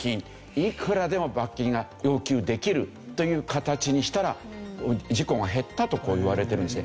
いくらでも罰金が要求できるという形にしたら事故が減ったといわれてるんですね。